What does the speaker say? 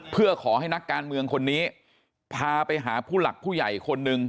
เพื่อขอให้นักการเมืองคนนี้พาไปหาผู้หลักผู้ใหญ่คนหนึ่ง